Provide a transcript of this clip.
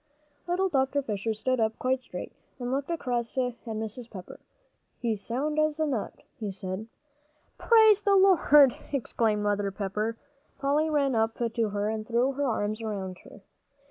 Little Dr. Fisher stood up quite straight and looked across at Mrs. Pepper. "He's sound as a nut," he said. "Praise the Lord!" exclaimed Mother Pepper. Polly ran up to her and threw her arms around her.